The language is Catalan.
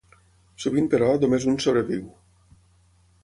Sovint, però, només un sobreviu.